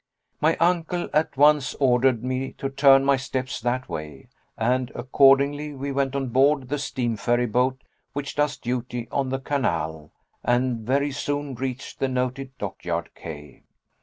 My uncle at once ordered me to turn my steps that way, and accordingly we went on board the steam ferry boat which does duty on the canal, and very soon reached the noted dockyard quay.